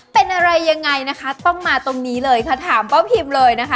เป็นอะไรยังไงนะคะต้องมาตรงนี้เลยค่ะถามป้าพิมเลยนะคะ